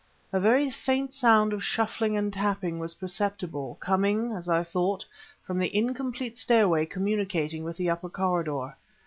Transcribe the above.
A very faint sound of shuffling and tapping was perceptible, coming, as I thought, from the incomplete stairway communicating with the upper corridor.